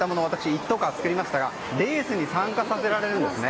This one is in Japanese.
イット号を作りましたがレースに参加させられるんですね。